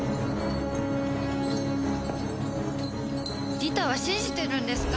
リタは信じてるんですか？